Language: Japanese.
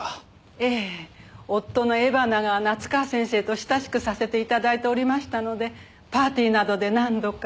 ええ夫の江花が夏河先生と親しくさせて頂いておりましたのでパーティーなどで何度か。